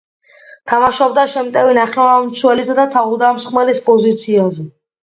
თამაშობდა შემტევი ნახევარმცველისა და თავდამსხმელის პოზიციაზე.